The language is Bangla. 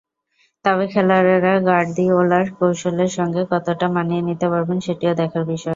তবে খেলোয়াড়েরা গার্দিওলার কৌশলের সঙ্গে কতটা মানিয়ে নিতে পারবেন, সেটিও দেখার বিষয়।